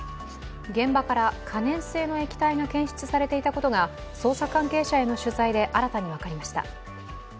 現場から可燃性の液体が検出されていたことが捜査関係者への取材で新たに分かりました。